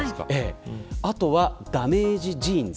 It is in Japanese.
あとは、ダメージジーンズ。